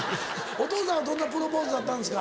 お父さんはどんなプロポーズだったんですか？